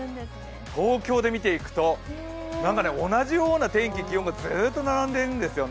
東京で見ていくと、同じような天気気温がずっと並んでるんですよ。